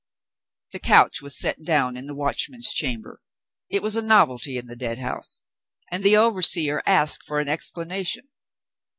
The couch was set down in the Watchman's Chamber. It was a novelty in the Deadhouse; and the overseer asked for an explanation.